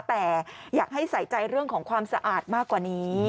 แต่อยากให้ใส่ใจเรื่องของความสะอาดมากกว่านี้